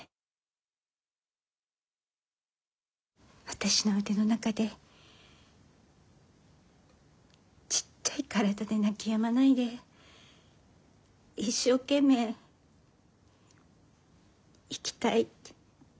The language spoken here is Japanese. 私の腕の中でちっちゃい体で泣きやまないで一生懸命生きたいって生きたいって。